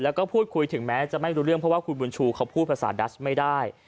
แล้วก็พูดคุยถึงแม้จะไม่รู้เรื่องเพราะว่าคุณบุญชูเขาพูดภาษาดัชไม่ได้